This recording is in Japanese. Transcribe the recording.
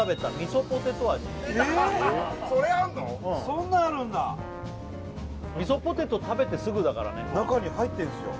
そんなんあるんだみそポテト食べてすぐだからね中に入ってんすよ